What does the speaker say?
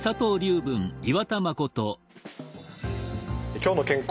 「きょうの健康」